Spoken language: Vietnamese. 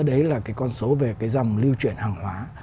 đấy là cái con số về cái dòng lưu chuyển hàng hóa